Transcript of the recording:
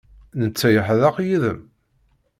Netta yeḥdeq yid-m?